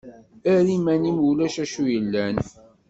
Err iman-im ulac acu yellan.